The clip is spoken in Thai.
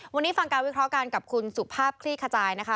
วันนี้ฟังการวิเคราะห์การกับคุณสุภาพคลี่ขจายนะคะ